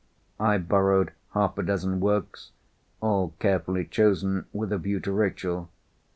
I borrowed half a dozen works, all carefully chosen with a view to Rachel.